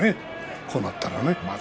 こうなったら、まず。